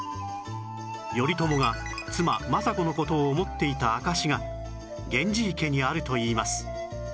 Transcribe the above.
頼朝が妻政子の事を思っていた証しが源氏池にあるといいます